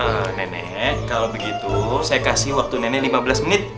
oh nenek kalau begitu saya kasih waktu nenek lima belas menit